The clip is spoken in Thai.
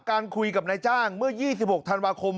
การคุยกับนายจ้างเมื่อ๒๖ธันวาคม